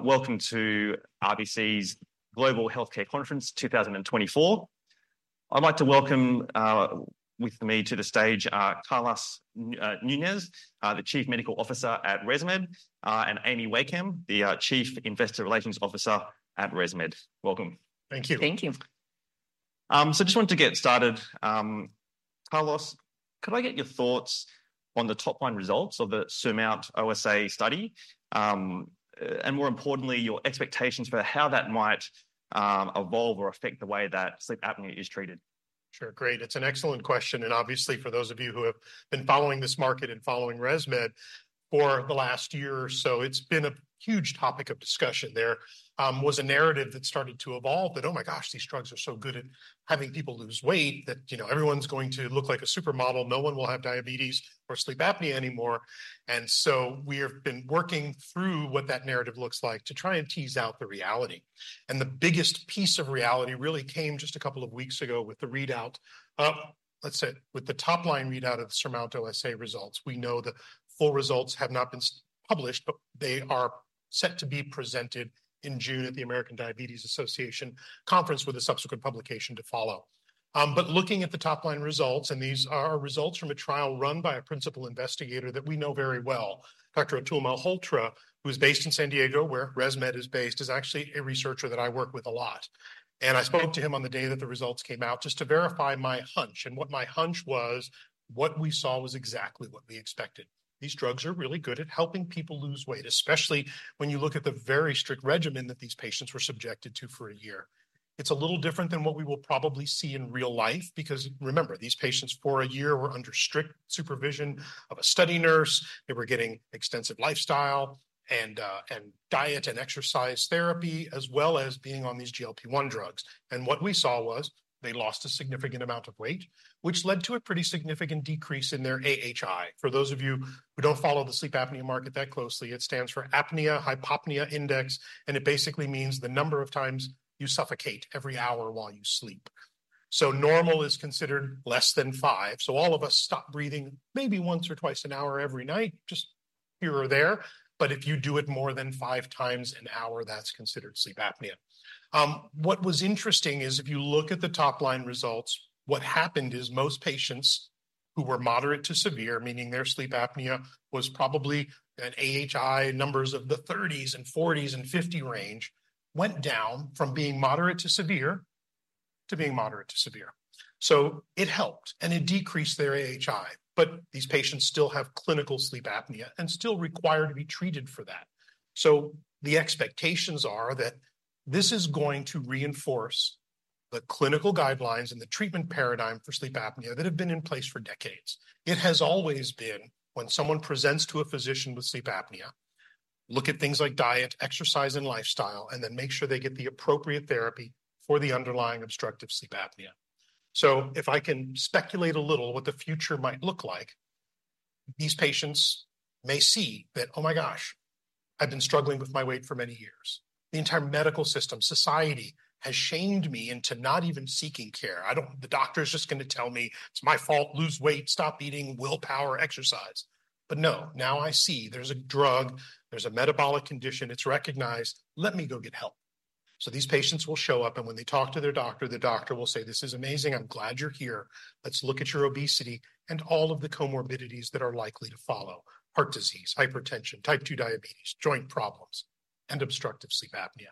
Welcome to RBC's Global Healthcare Conference 2024. I'd like to welcome, with me to the stage, Carlos Nunez, the Chief Medical Officer at ResMed, and Amy Wakeham, the Chief Investor Relations Officer at ResMed. Welcome. Thank you. Thank you. Just wanted to get started. Carlos, could I get your thoughts on the top-line results of the SURMOUNT-OSA study? More importantly, your expectations for how that might evolve or affect the way that sleep apnea is treated. Sure, great. It's an excellent question, and obviously, for those of you who have been following this market and following ResMed for the last year or so, it's been a huge topic of discussion. There was a narrative that started to evolve that, "Oh my gosh, these drugs are so good at having people lose weight that, you know, everyone's going to look like a supermodel. No one will have diabetes or sleep apnea anymore." And so we have been working through what that narrative looks like to try and tease out the reality. And the biggest piece of reality really came just a couple of weeks ago with the readout of, let's say, with the top-line readout of the SURMOUNT-OSA results. We know the full results have not been published, but they are set to be presented in June at the American Diabetes Association conference, with a subsequent publication to follow. But looking at the top-line results, and these are results from a trial run by a principal investigator that we know very well. Dr. Atul Malhotra, who is based in San Diego, where ResMed is based, is actually a researcher that I work with a lot. And I spoke to him on the day that the results came out just to verify my hunch, and what my hunch was, what we saw was exactly what we expected. These drugs are really good at helping people lose weight, especially when you look at the very strict regimen that these patients were subjected to for a year. It's a little different than what we will probably see in real life, because remember, these patients, for a year, were under strict supervision of a study nurse. They were getting extensive lifestyle and diet and exercise therapy, as well as being on these GLP-1 drugs. What we saw was they lost a significant amount of weight, which led to a pretty significant decrease in their AHI. For those of you who don't follow the sleep apnea market that closely, it stands for apnea-hypopnea index, and it basically means the number of times you suffocate every hour while you sleep. Normal is considered less than five. All of us stop breathing maybe once or twice an hour every night, just here or there, but if you do it more than five times an hour, that's considered sleep apnea. What was interesting is if you look at the top-line results, what happened is most patients who were moderate to severe, meaning their sleep apnea was probably at AHI numbers of the 30s and 40s and 50 range, went down from being moderate to severe to being moderate to severe. So it helped, and it decreased their AHI, but these patients still have clinical sleep apnea and still require to be treated for that. So the expectations are that this is going to reinforce the clinical guidelines and the treatment paradigm for sleep apnea that have been in place for decades. It has always been when someone presents to a physician with sleep apnea, look at things like diet, exercise, and lifestyle, and then make sure they get the appropriate therapy for the underlying obstructive sleep apnea. So if I can speculate a little what the future might look like, these patients may see that, "Oh, my gosh, I've been struggling with my weight for many years. The entire medical system, society, has shamed me into not even seeking care. I don't, the doctor's just gonna tell me, 'It's my fault. Lose weight, stop eating, willpower, exercise.' But no, now I see there's a drug, there's a metabolic condition. It's recognized. Let me go get help." So these patients will show up, and when they talk to their doctor, the doctor will say, "This is amazing. I'm glad you're here. Let's look at your obesity and all of the comorbidities that are likely to follow: heart disease, hypertension, type 2 diabetes, joint problems, and obstructive sleep apnea."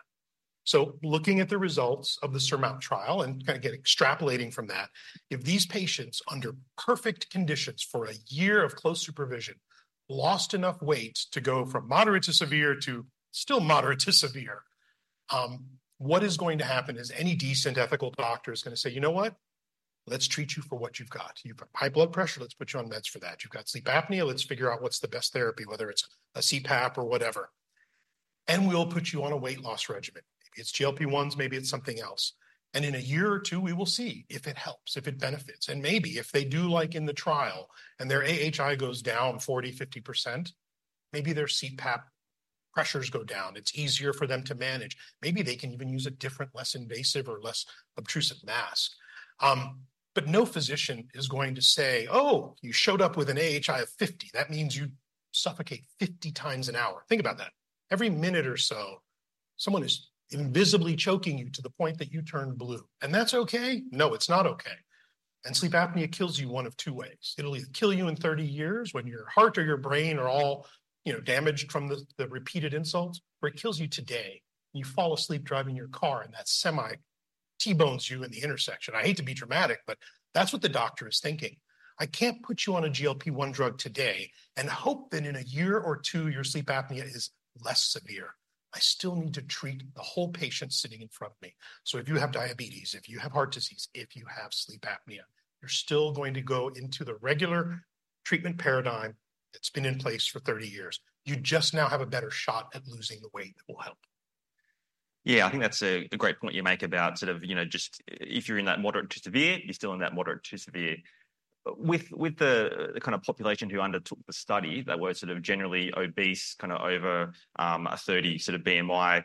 So looking at the results of the SURMOUNT trial and kind of get extrapolating from that, if these patients, under perfect conditions for a year of close supervision, lost enough weight to go from moderate to severe to still moderate to severe, what is going to happen is any decent ethical doctor is gonna say, "You know what? Let's treat you for what you've got. You've got high blood pressure, let's put you on meds for that. You've got sleep apnea, let's figure out what's the best therapy, whether it's a CPAP or whatever. And we'll put you on a weight loss regimen." Maybe it's GLP-1s, maybe it's something else. In a year or two, we will see if it helps, if it benefits, and maybe if they do like in the trial and their AHI goes down 40%-50%, maybe their CPAP pressures go down. It's easier for them to manage. Maybe they can even use a different, less invasive or less obtrusive mask. But no physician is going to say, "Oh, you showed up with an AHI of 50. That means you suffocate 50 times an hour." Think about that. Every minute or so, someone is invisibly choking you to the point that you turn blue. And that's okay? No, it's not okay. Sleep apnea kills you one of two ways: It'll either kill you in 30 years when your heart or your brain are all, you know, damaged from the repeated insults, or it kills you today, and you fall asleep driving your car, and that semi T-bones you in the intersection. I hate to be dramatic, but that's what the doctor is thinking. "I can't put you on a GLP-1 drug today and hope that in a year or two, your sleep apnea is less severe. I still need to treat the whole patient sitting in front of me." So if you have diabetes, if you have heart disease, if you have sleep apnea, you're still going to go into the regular treatment paradigm that's been in place for 30 years. You just now have a better shot at losing the weight that will help. Yeah, I think that's a great point you make about sort of, you know, just if you're in that moderate to severe, you're still in that moderate to severe. But with the kind of population who undertook the study, they were sort of generally obese, kind of over a 30 sort of BMI.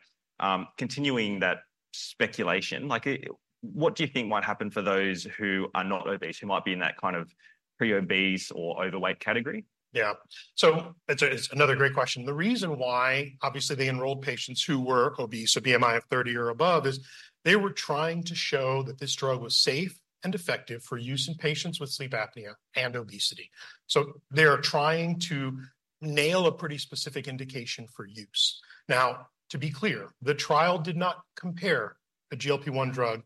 Continuing that speculation, like, what do you think might happen for those who are not obese, who might be in that kind of pre-obese or overweight category? Yeah. So it's a, it's another great question. The reason why, obviously, they enrolled patients who were obese, so BMI of 30 or above, is they were trying to show that this drug was safe and effective for use in patients with sleep apnea and obesity. So they are trying to nail a pretty specific indication for use. Now, to be clear, the trial did not compare a GLP-1 drug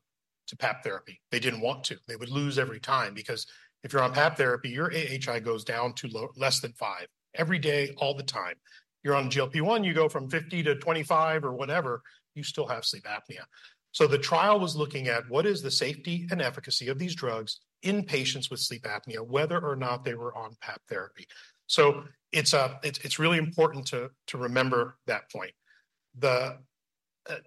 to PAP therapy. They didn't want to. They would lose every time, because if you're on PAP therapy, your AHI goes down to less than 5 every day, all the time. You're on GLP-1, you go from 50 to 25 or whatever, you still have sleep apnea. So the trial was looking at what is the safety and efficacy of these drugs in patients with sleep apnea, whether or not they were on PAP therapy. So it's really important to remember that point.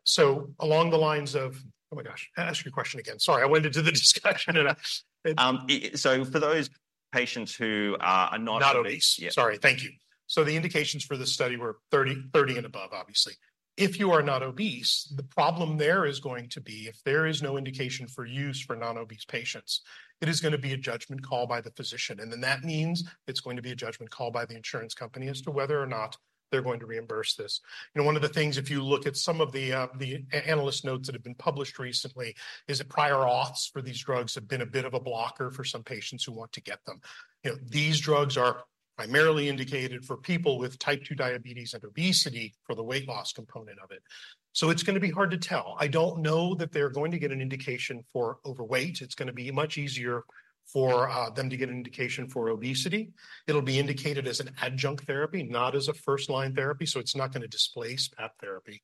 So along the lines of-- Oh, my gosh, ask your question again. Sorry, I went into the discussion and So for those patients who are, are not obese- Not obese. Yeah. Sorry, thank you. So the indications for this study were 30, 30 and above, obviously. If you are not obese, the problem there is going to be, if there is no indication for use for non-obese patients, it is gonna be a judgment call by the physician. And then, that means it's going to be a judgment call by the insurance company as to whether or not they're going to reimburse this. You know, one of the things, if you look at some of the analyst notes that have been published recently, is that prior auths for these drugs have been a bit of a blocker for some patients who want to get them. You know, these drugs are primarily indicated for people with type 2 diabetes and obesity for the weight loss component of it, so it's gonna be hard to tell. I don't know that they're going to get an indication for overweight. It's gonna be much easier for them to get an indication for obesity. It'll be indicated as an adjunct therapy, not as a first-line therapy, so it's not gonna displace PAP therapy.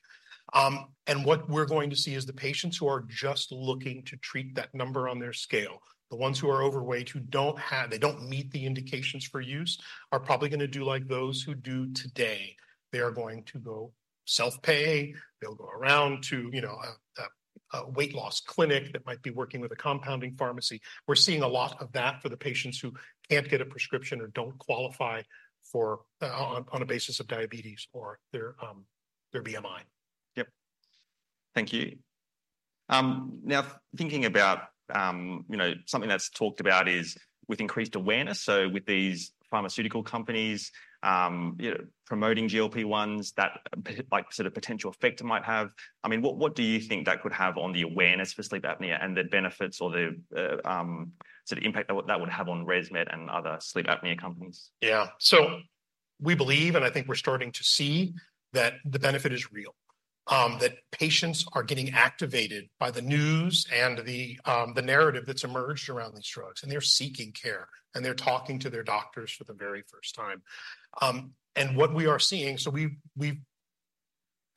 And what we're going to see is the patients who are just looking to treat that number on their scale, the ones who are overweight, they don't meet the indications for use, are probably gonna do like those who do today. They are going to go self-pay. They'll go around to, you know, a weight loss clinic that might be working with a compounding pharmacy. We're seeing a lot of that for the patients who can't get a prescription or don't qualify for on a basis of diabetes or their BMI. Yep. Thank you. Now, thinking about, you know, something that's talked about is with increased awareness, so with these pharmaceutical companies, you know, promoting GLP-1s, that like, sort of potential effect it might have, I mean, what do you think that could have on the awareness for sleep apnea and the benefits or the sort of impact that that would have on ResMed and other sleep apnea companies? Yeah. So we believe, and I think we're starting to see, that the benefit is real, that patients are getting activated by the news and the narrative that's emerged around these drugs, and they're seeking care, and they're talking to their doctors for the very first time. And what we are seeing.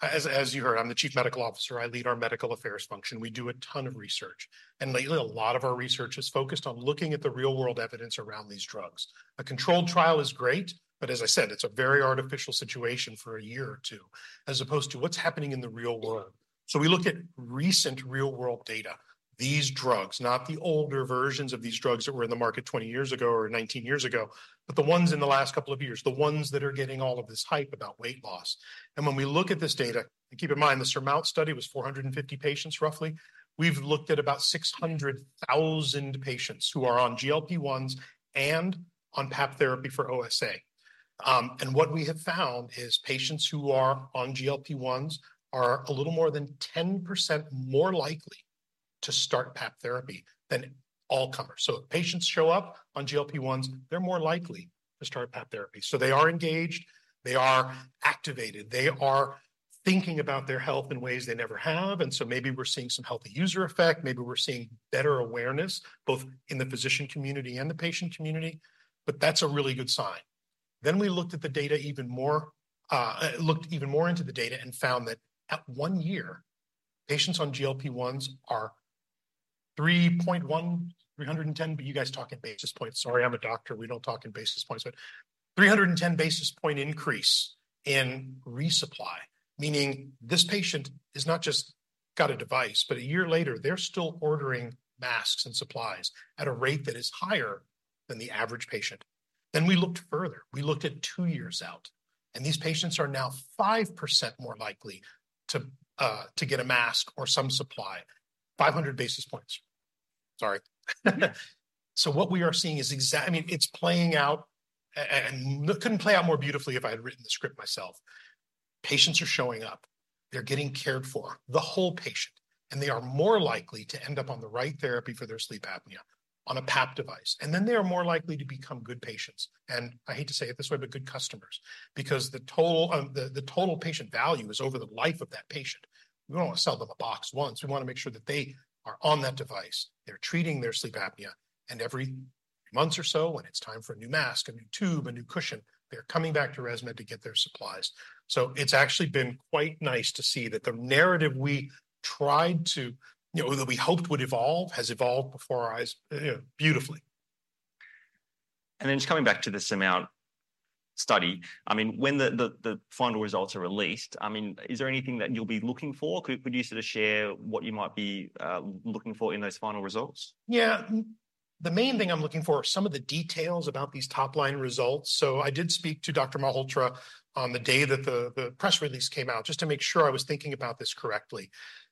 As you heard, I'm the Chief Medical Officer. I lead our medical affairs function. We do a ton of research, and lately, a lot of our research is focused on looking at the real-world evidence around these drugs. A controlled trial is great, but as I said, it's a very artificial situation for a year or two, as opposed to what's happening in the real world. So we look at recent real-world data. These drugs, not the older versions of these drugs that were in the market 20 years ago or 19 years ago, but the ones in the last couple of years, the ones that are getting all of this hype about weight loss. And when we look at this data, and keep in mind, the SURMOUNT study was 450 patients roughly, we've looked at about 600,000 patients who are on GLP-1s and on PAP therapy for OSA. And what we have found is patients who are on GLP-1s are a little more than 10% more likely to start PAP therapy than all comers. So if patients show up on GLP-1s, they're more likely to start PAP therapy. So they are engaged, they are activated, they are thinking about their health in ways they never have, and so maybe we're seeing some healthy user effect. Maybe we're seeing better awareness, both in the physician community and the patient community, but that's a really good sign. Then, we looked at the data even more, looked even more into the data and found that at one year, patients on GLP-1s are 3.1, 310. But you guys talk in basis points. Sorry, I'm a doctor. We don't talk in basis points. But 310 basis point increase in resupply, meaning this patient has not just got a device, but a year later, they're still ordering masks and supplies at a rate that is higher than the average patient. Then, we looked further. We looked at two years out, and these patients are now 5% more likely to get a mask or some supply, 500 basis points. Sorry. So what we are seeing is exactly—I mean, it's playing out, and look, couldn't play out more beautifully if I had written the script myself. Patients are showing up. They're getting cared for, the whole patient, and they are more likely to end up on the right therapy for their sleep apnea on a PAP device. And then, they are more likely to become good patients, and I hate to say it this way, but good customers, because the total patient value is over the life of that patient. We don't want to sell them a box once. We want to make sure that they are on that device, they're treating their sleep apnea, and every month or so, when it's time for a new mask, a new tube, a new cushion, they're coming back to ResMed to get their supplies. It's actually been quite nice to see that the narrative we tried to, you know, that we hoped would evolve, has evolved before our eyes, beautifully. And then, just coming back to the SURMOUNT study, I mean, when the final results are released, I mean, is there anything that you'll be looking for? Could you sort of share what you might be looking for in those final results? Yeah. The main thing I'm looking for are some of the details about these top-line results. I did speak to Dr. Malhotra on the day that the press release came out, just to make sure I was thinking about this correctly.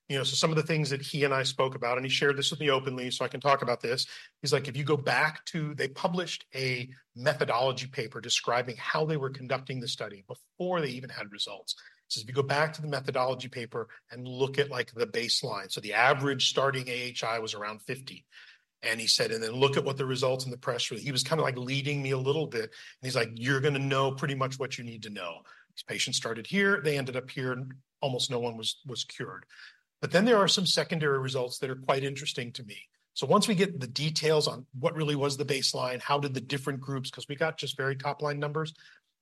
You know, so some of the things that he and I spoke about, and he shared this with me openly, so I can talk about this. He's like, if you go back to. They published a methodology paper describing how they were conducting the study before they even had results. He says, "If you go back to the methodology paper and look at, like, the baseline," so the average starting AHI was around 50. He said, "And then look at what the results in the press release. He was kind of, like, leading me a little bit, and he's like: "You're gonna know pretty much what you need to know. These patients started here, they ended up here, and almost no one was cured." Then there are some secondary results that are quite interesting to me. Once we get the details on what really was the baseline, how did the different groups, 'cause we got just very top-line numbers.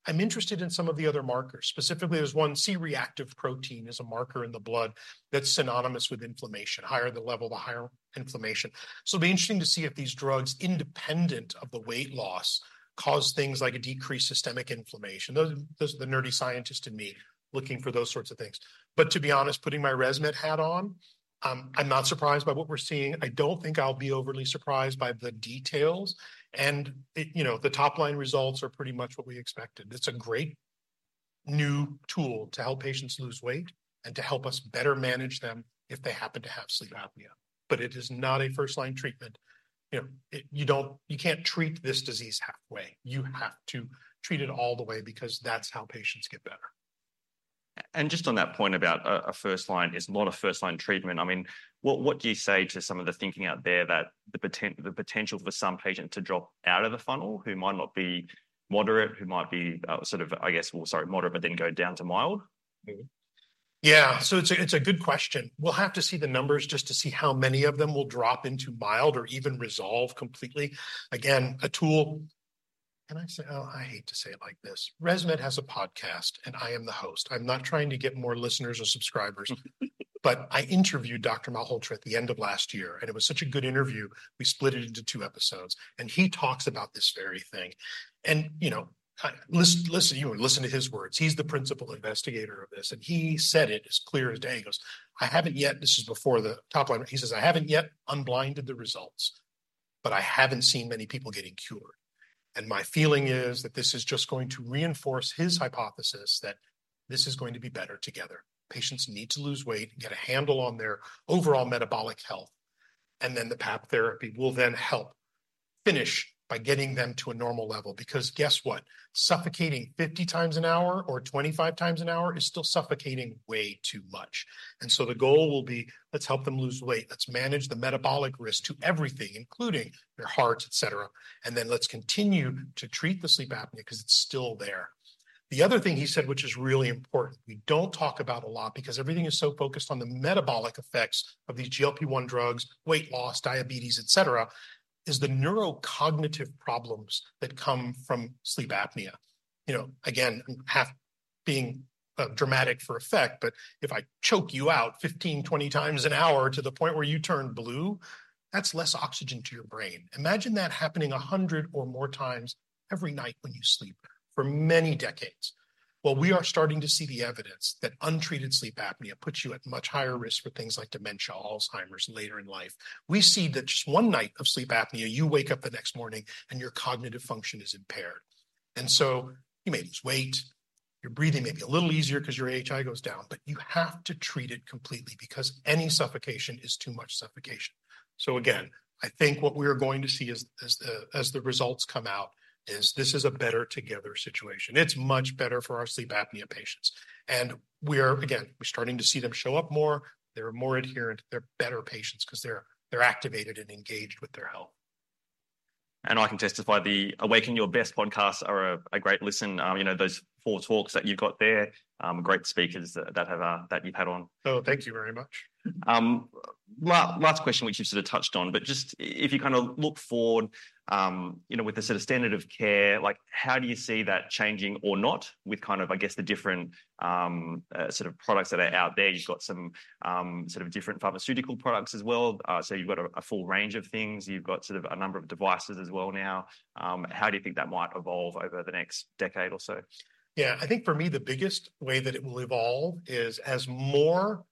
I'm interested in some of the other markers. Specifically, there's one, C-reactive protein is a marker in the blood that's synonymous with inflammation. Higher the level, the higher inflammation. It'll be interesting to see if these drugs, independent of the weight loss, cause things like a decreased systemic inflammation. Those are the nerdy scientist in me looking for those sorts of things. But to be honest, putting my ResMed hat on, I'm not surprised by what we're seeing. I don't think I'll be overly surprised by the details, and it—you know, the top-line results are pretty much what we expected. It's a great new tool to help patients lose weight and to help us better manage them if they happen to have sleep apnea. But it is not a first-line treatment. You know, it—you don't—you can't treat this disease halfway. You have to treat it all the way because that's how patients get better. And just on that point about a first-line, it's not a first-line treatment. I mean, what do you say to some of the thinking out there that the potential for some patient to drop out of the funnel, who might not be moderate, who might be sort of moderate, but then go down to mild? Mm. Yeah. So it's a, it's a good question. We'll have to see the numbers just to see how many of them will drop into mild or even resolve completely. Again, a tool. And I say, oh, I hate to say it like this. ResMed has a podcast, and I am the host. I'm not trying to get more listeners or subscribers. But I interviewed Dr. Malhotra at the end of last year, and it was such a good interview, we split it into two episodes, and he talks about this very thing. And, you know, listen, you know, listen to his words. He's the principal investigator of this, and he said it as clear as day. He goes, "I haven't yet". This is before the top line. He says, "I haven't yet unblinded the results, but I haven't seen many people getting cured." My feeling is that this is just going to reinforce his hypothesis that this is going to be better together. Patients need to lose weight, get a handle on their overall metabolic health, and then the PAP therapy will then help finish by getting them to a normal level. Because guess what? Suffocating 50 times an hour or 25 times an hour is still suffocating way too much. So the goal will be: Let's help them lose weight, let's manage the metabolic risk to everything, including their hearts, etc., and then let's continue to treat the sleep apnea 'cause it's still there. The other thing he said, which is really important, we don't talk about a lot because everything is so focused on the metabolic effects of these GLP-1 drugs, weight loss, diabetes, etc., is the neurocognitive problems that come from sleep apnea. You know, again, half being, dramatic for effect, but if I choke you out 15, 20 times an hour to the point where you turn blue, that's less oxygen to your brain. Imagine that happening 100 or more times every night when you sleep for many decades. Well, we are starting to see the evidence that untreated sleep apnea puts you at much higher risk for things like dementia, Alzheimer's later in life. We see that just one night of sleep apnea, you wake up the next morning, and your cognitive function is impaired. And so you may lose weight, your breathing may be a little easier 'cause your AHI goes down, but you have to treat it completely because any suffocation is too much suffocation. So again, I think what we are going to see as the results come out is this is a better-together situation. It's much better for our sleep apnea patients. And we are, again, we're starting to see them show up more, they're more adherent, they're better patients 'cause they're activated and engaged with their health. I can testify, the Awaken Your Best podcasts are a great listen. You know, those four talks that you've got there, great speakers that you've had on. Oh, thank you very much. Last question, which you sort of touched on, but just if you kind of look forward, you know, with the sort of standard of care, like, how do you see that changing or not with kind of, I guess, the different, sort of products that are out there? You've got some, sort of different pharmaceutical products as well. So you've got a full range of things. You've got sort of a number of devices as well now. How do you think that might evolve over the next decade or so? Yeah. I think for me, the biggest way that it will evolve is, as more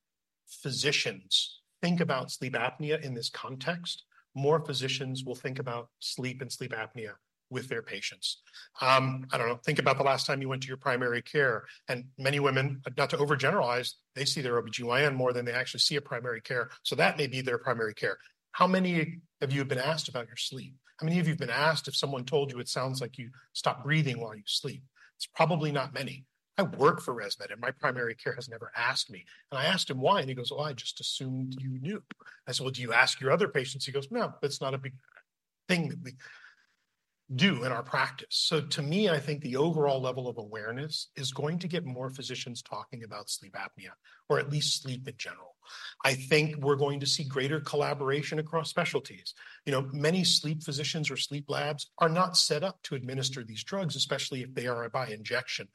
physicians think about sleep apnea in this context, more physicians will think about sleep and sleep apnea with their patients. I don't know. Think about the last time you went to your primary care, and many women, not to overgeneralize, they see their OBGYN more than they actually see a primary care, so that may be their primary care. How many of you have been asked about your sleep? How many of you have been asked if someone told you it sounds like you stop breathing while you sleep? It's probably not many. I work for ResMed, and my primary care has never asked me. I asked him why, and he goes, "Well, I just assumed you knew." I said, "Well, do you ask your other patients?" He goes, "No, that's not a big thing that we do in our practice." So to me, I think the overall level of awareness is going to get more physicians talking about sleep apnea or at least sleep in general. I think we're going to see greater collaboration across specialties. You know, many sleep physicians or sleep labs are not set up to administer these drugs, especially if they are by injection.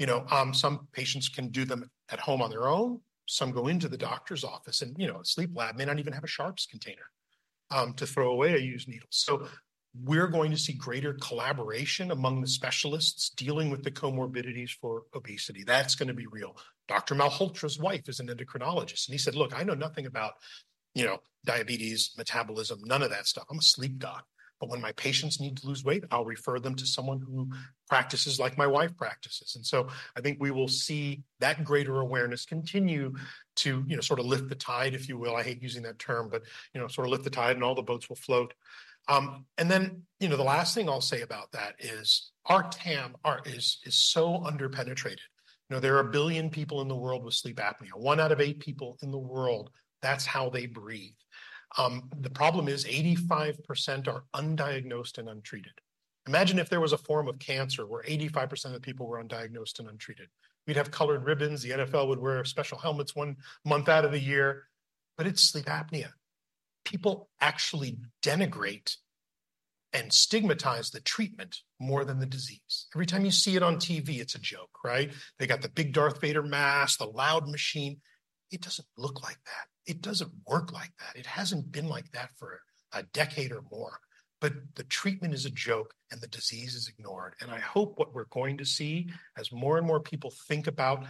You know, some patients can do them at home on their own, some go into the doctor's office, and, you know, a sleep lab may not even have a sharps container to throw away a used needle. So, we're going to see greater collaboration among the specialists dealing with the comorbidities for obesity. That's gonna be real. Dr. Malhotra's wife is an endocrinologist, and he said, "Look, I know nothing about, you know, diabetes, metabolism, none of that stuff. I'm a sleep doc. But when my patients need to lose weight, I'll refer them to someone who practices like my wife practices." And so I think we will see that greater awareness continue to, you know, sort of lift the tide, if you will. I hate using that term, but, you know, sort of lift the tide and all the boats will float. And then, you know, the last thing I'll say about that is our TAM is so underpenetrated. You know, there are 1 billion people in the world with sleep apnea. One out of eight people in the world, that's how they breathe. The problem is 85% are undiagnosed and untreated. Imagine if there was a form of cancer where 85% of the people were undiagnosed and untreated. We'd have colored ribbons. The NFL would wear special helmets one month out of the year. But it's sleep apnea. People actually denigrate and stigmatize the treatment more than the disease. Every time you see it on TV, it's a joke, right? They got the big Darth Vader mask, the loud machine. It doesn't look like that. It doesn't work like that. It hasn't been like that for a decade or more. But the treatment is a joke, and the disease is ignored. And I hope what we're going to see as more and more people think about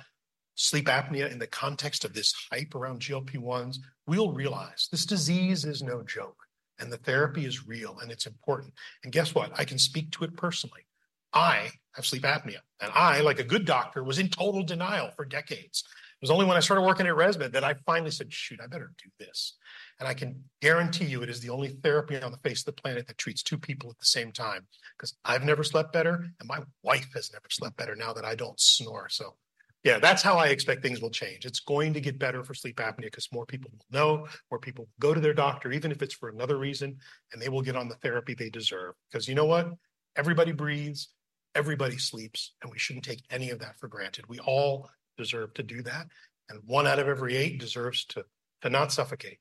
sleep apnea in the context of this hype around GLP-1s, we'll realize this disease is no joke, and the therapy is real, and it's important. And guess what? I can speak to it personally. I have sleep apnea, and I, like a good doctor, was in total denial for decades. It was only when I started working at ResMed that I finally said: "Shoot, I better do this." And I can guarantee you it is the only therapy on the face of the planet that treats two people at the same time, 'cause I've never slept better, and my wife has never slept better now that I don't snore. So yeah, that's how I expect things will change. It's going to get better for sleep apnea 'cause more people will know, more people go to their doctor, even if it's for another reason, and they will get on the therapy they deserve. Because you know what? Everybody breathes, everybody sleeps, and we shouldn't take any of that for granted. We all deserve to do that, and one out of every eight deserves to not suffocate.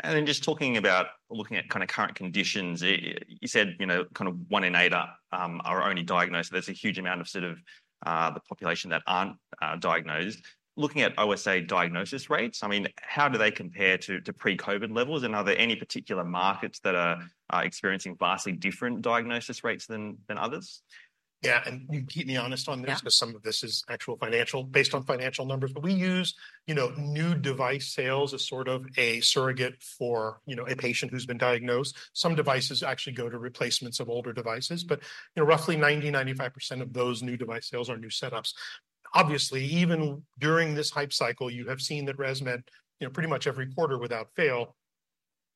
And then just talking about looking at kind of current conditions, you said, you know, kind of one in eight are only diagnosed. There's a huge amount of sort of the population that aren't diagnosed. Looking at OSA diagnosis rates, I mean, how do they compare to pre-COVID levels, and are there any particular markets that are experiencing vastly different diagnosis rates than others? Yeah, and you keep me honest on this- Yeah 'Cause some of this is actual financial, based on financial numbers. But we use, you know, new device sales as sort of a surrogate for, you know, a patient who's been diagnosed. Some devices actually go to replacements of older devices, but, you know, roughly 90%-95% of those new device sales are new setups. Obviously, even during this hype cycle, you have seen that ResMed, you know, pretty much every quarter without fail,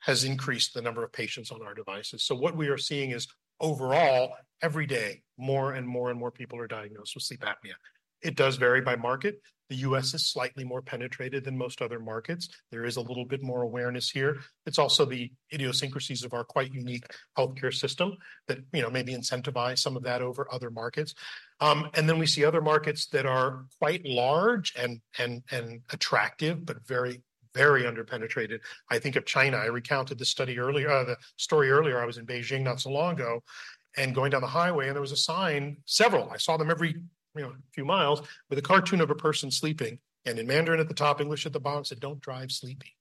has increased the number of patients on our devices. So what we are seeing is, overall, every day, more and more and more people are diagnosed with sleep apnea. It does vary by market. The U.S. is slightly more penetrated than most other markets. There is a little bit more awareness here. It's also the idiosyncrasies of our quite unique healthcare system that, you know, maybe incentivize some of that over other markets. And then we see other markets that are quite large and attractive, but very, very underpenetrated. I think of China. I recounted this story earlier. I was in Beijing not so long ago, and going down the highway, and there was a sign, several, I saw them every, you know, few miles, with a cartoon of a person sleeping, and in Mandarin at the top, English at the bottom, said, "Don't drive sleepy,"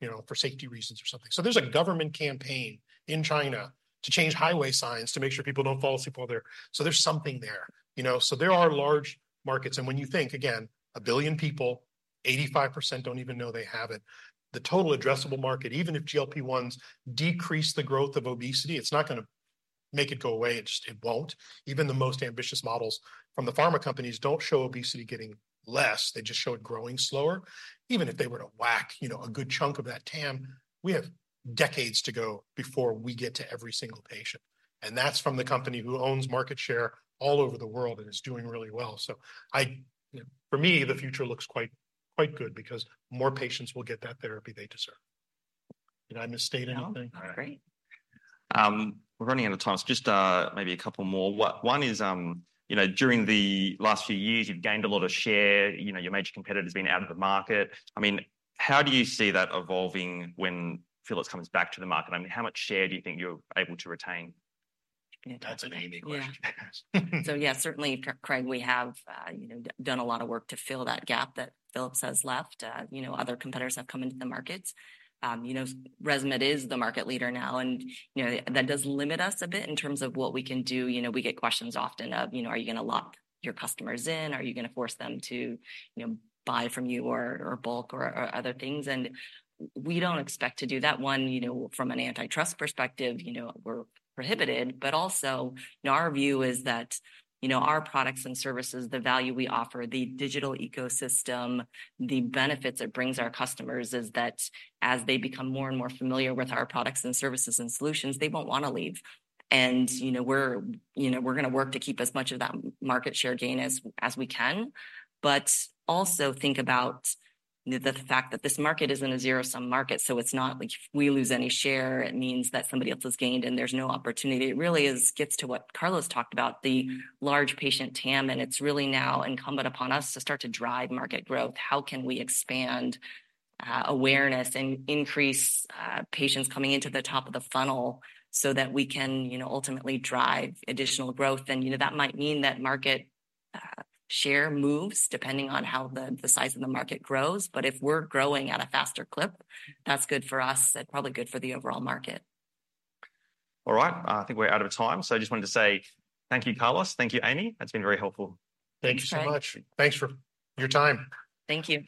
you know, for safety reasons or something. So there's a government campaign in China to change highway signs to make sure people don't fall asleep while they're, so there's something there. You know, so there are large markets, and when you think, again, 1 billion people, 85% don't even know they have it. The total addressable market, even if GLP-1s decrease the growth of obesity, it's not gonna make it go away. It just, it won't. Even the most ambitious models from the pharma companies don't show obesity getting less. They just show it growing slower. Even if they were to whack, you know, a good chunk of that TAM, we have decades to go before we get to every single patient, and that's from the company who owns market share all over the world and is doing really well. So, you know, for me, the future looks quite, quite good because more patients will get that therapy they deserve. Did I misstate anything? No. Great. We're running out of time. So just, maybe a couple more. One is, you know, during the last few years, you've gained a lot of share. You know, your major competitor's been out of the market. I mean, how do you see that evolving when Philips comes back to the market? I mean, how much share do you think you're able to retain? That's an Amy question. Yeah. So, yeah, certainly, Craig, we have, you know, done a lot of work to fill that gap that Philips has left. You know, other competitors have come into the markets. You know, ResMed is the market leader now, and, you know, that does limit us a bit in terms of what we can do. You know, we get questions often of, you know: Are you gonna lock your customers in? Are you gonna force them to, you know, buy from you, or, or bulk or, or other things? And we don't expect to do that. One, you know, from an antitrust perspective, you know, we're prohibited, but also, you know, our view is that, you know, our products and services, the value we offer, the digital ecosystem, the benefits it brings our customers, is that as they become more and more familiar with our products and services and solutions, they won't want to leave. And, you know, we're, you know, we're gonna work to keep as much of that market share gain as we can. But also think about the fact that this market is a zero-sum market, so it's not like if we lose any share, it means that somebody else has gained, and there's no opportunity. It really is, gets to what Carlos talked about, the large patient TAM, and it's really now incumbent upon us to start to drive market growth. How can we expand, awareness and increase, patients coming into the top of the funnel so that we can, you know, ultimately drive additional growth? And, you know, that might mean that market, share moves depending on how the size of the market grows. But if we're growing at a faster clip, that's good for us, and probably good for the overall market. All right. I think we're out of time, so I just wanted to say thank you, Carlos, thank you, Amy. That's been very helpful. Thank you so much. Thank you. Thanks for your time. Thank you.